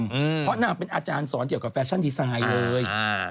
เพราะนางเป็นอาจารย์สอนเกี่ยวกับแฟชั่นดีไซน์เลยอ่า